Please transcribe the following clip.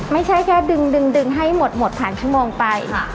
ไม่ใช่แค่ดึงให้หมดผ่านชั่วโมงไป